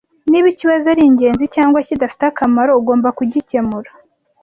Niba ikibazo ari ingenzi cyangwa kidafite akamaro, ugomba kugikemura.